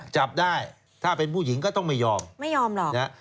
จับได้ถ้าเป็นผู้หญิงก็ต้องไม่ยอมไม่ยอมหรอกนะฮะ